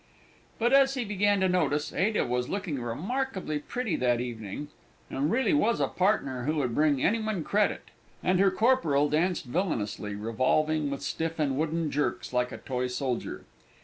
But, as he began to notice, Ada was looking remarkably pretty that evening, and really was a partner who would bring any one credit; and her corporal danced villainously, revolving with stiff and wooden jerks, like a toy soldier.